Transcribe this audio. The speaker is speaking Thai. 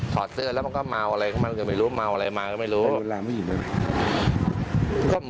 ถอดเสื้อแล้วมันก็เมาอะไรเข้ามา